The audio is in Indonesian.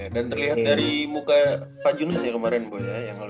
dan terlihat dari muka pak junes ya kemaren ya yang lalu